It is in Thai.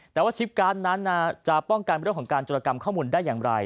แต่ว่าชิปการ์ดนั้นจะป้องกันเรื่องของการจุรกรรมข้อมูลได้อย่างไร